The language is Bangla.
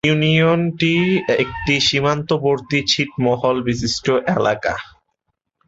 ইউনিয়নটি একটি সীমান্তবর্তী ছিটমহল বিশিষ্ট এলাকা।